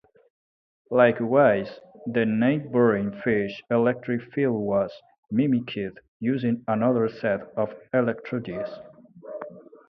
Likewise, the neighboring fish's electric field was mimicked using another set of electrodes.